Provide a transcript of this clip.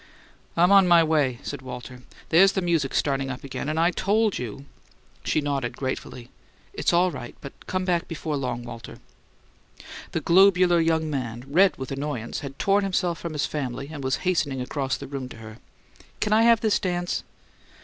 "I'm on my way," said Walter. "There's the music startin' up again, and I told you " She nodded gratefully. "It's all right but come back before long, Walter." The globular young man, red with annoyance, had torn himself from his family and was hastening across the room to her. "C'n I have this dance?"